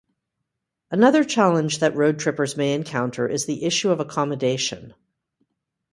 Another challenge that road trippers may encounter is the issue of accommodation.